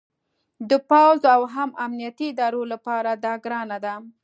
د پوځ او هم امنیتي ادارو لپاره دا ګرانه ده